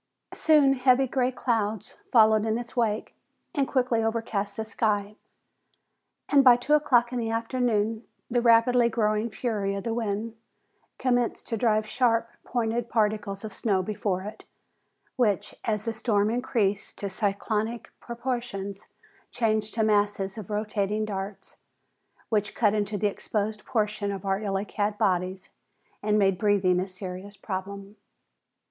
Soon heavy, gray clouds followed in its wake, and quickly overcast the sky, and by two o'clock in the afternoon the rapidly growing fury of the wind commenced to drive sharp pointed particles of snow before it, which, as the storm increased to cyclonic proportions, changed to masses of rotating darts, which cut into the exposed portions of our illy clad bodies and made breathing a serious problem.